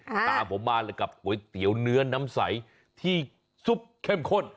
ตามผมมาเลยกับก๋วยเตี๋ยวเนื้อน้ำใสที่ซุปเข้มข้น